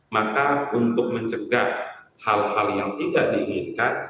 maka untuk mencegah hal hal yang tidak diinginkan